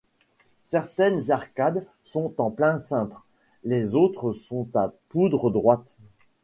Certaines arcades sont en plein cintre, les autres sont à poutres droites.